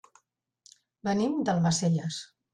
Venim d'Almacelles.